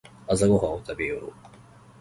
朝ごはんを食べよう。